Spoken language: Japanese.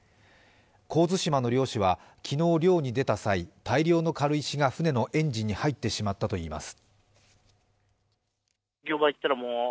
神津島の漁師は、昨日、漁に出た際大量の軽石が船のエンジンに入ってしまったといいます。